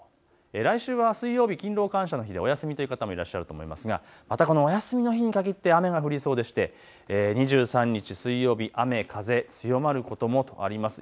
来週は水曜日、勤労感謝の日でお休みという方もいらっしゃると思いますが、またこのお休みの日にかぎって雨が降りそうでして２３日、水曜日、雨風強まることもあります。